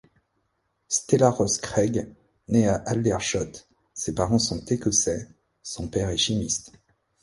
Stella Ross-Craig naît à Aldershot, ses parents sont écossais, son père est chimiste.